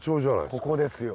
ここですよ